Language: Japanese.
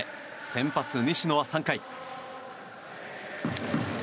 先発、西野は３回。